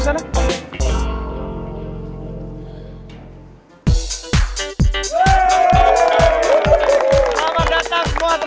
selamat datang semua teman teman bapak ibu guru di acara api unggul camping ceria